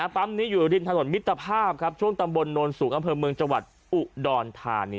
ปั๊มนี้อยู่ริมถนนมิตรภาพครับช่วงตำบลโนนสูงอำเภอเมืองจังหวัดอุดรธานี